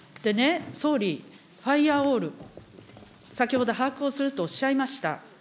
でね、総理、ファイヤー・ウォール、先ほど把握をするとおっしゃいました。